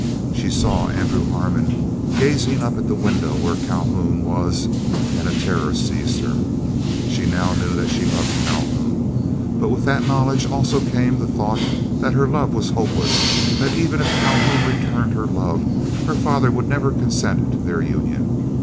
She saw Andrew Harmon gazing up at the window where Calhoun was, and a terror seized her. She now knew that she loved Calhoun, but with that knowledge also came the thought that her love was hopeless, that even if Calhoun returned her love, her father would never consent to their union.